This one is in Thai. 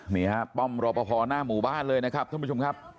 นี่ฮะป้อมรอปภหน้าหมู่บ้านเลยนะครับท่านผู้ชมครับ